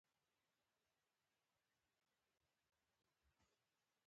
ولې د امریکا متحده ایالتونو بنسټونه تر مکسیکو غوره دي؟